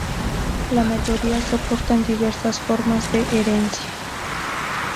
La mayoría soportan diversas formas de herencia.